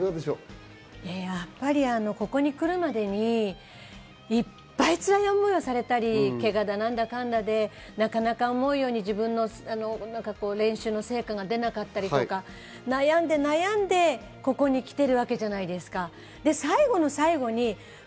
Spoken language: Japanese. ここに来るまでにいっぱい辛い思いをされたり、けがだ何だかんだでなかなか思うように練習の成果が出なかったりとか、悩んで悩んで、ここに来てるわけじゃないですか。